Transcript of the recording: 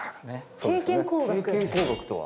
経験工学とは？